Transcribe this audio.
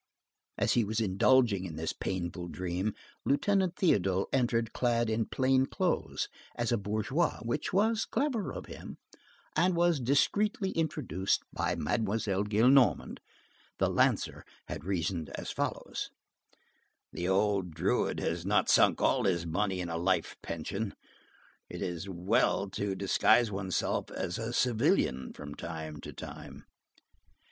As he was indulging in this painful dream, Lieutenant Théodule entered clad in plain clothes as a bourgeois, which was clever of him, and was discreetly introduced by Mademoiselle Gillenormand. The lancer had reasoned as follows: "The old druid has not sunk all his money in a life pension. It is well to disguise one's self as a civilian from time to time."